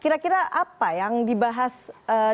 kira kira apa yang dibahas dalam ini